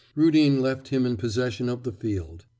Rudin left him in possession of the field.